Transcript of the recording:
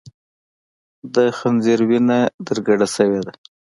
د خنځیر وینه در کډه سوې ده